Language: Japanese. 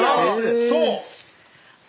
そう！